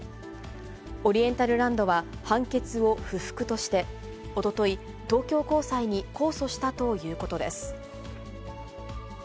オリエンタルランドは判決を不服として、おととい、東京高裁に控訴したということです。